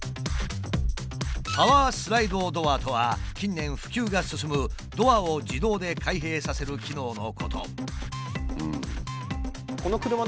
「パワースライドドア」とは近年普及が進むドアを自動で開閉させる機能のこと。